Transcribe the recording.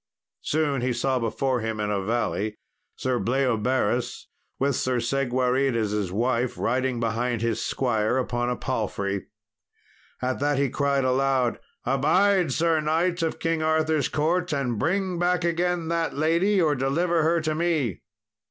Soon he saw before him in a valley Sir Bleoberis with Sir Segwarides' wife riding behind his squire upon a palfrey. At that he cried out aloud, "Abide, Sir knight of King Arthur's court, bring back again that lady or deliver her to me."